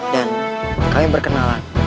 dan kami berkenalan